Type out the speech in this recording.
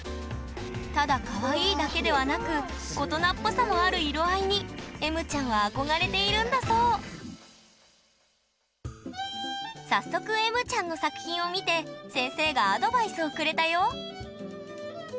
ただかわいいだけではなく大人っぽさもある色合いにえむちゃんは憧れているんだそう早速えむちゃんの作品を見て先生がアドバイスをくれたよ